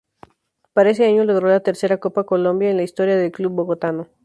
Para ese año logró la tercera Copa Colombia en la historia del club bogotano.